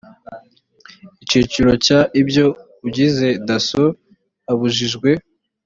icyiciro cya ibyo ugize dasso abujijwe